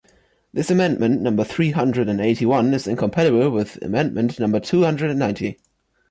This Amendment number three hundred and eighty-one is incompatible with Amendment number two hundred and ninety.